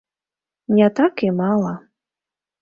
Не так і мала.